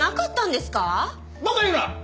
馬鹿言うな！